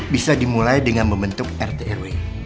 bisa dimulai dengan membentuk rt rw